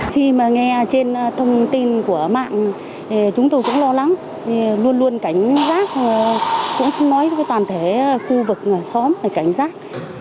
khi mà nghe trên thông tin của mạng chúng tôi cũng lo lắng luôn luôn cảnh giác cũng nói với toàn thể khu vực xóm phải cảnh giác